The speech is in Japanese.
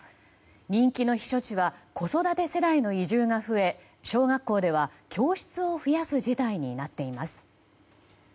人気の避暑地は子育て世代の移住が増え小学校では教室を増やす事態になっています。